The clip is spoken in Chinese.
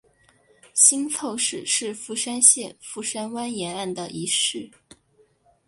新凑市是富山县富山湾沿岸的一市。